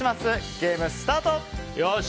ゲームスタート！